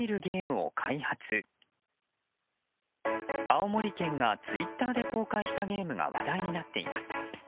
青森県がツイッターで公開したゲームが話題になっています。